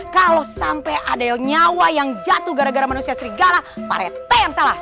kalau sampai ada nyawa yang jatuh gara gara manusia serigala pak rete yang salah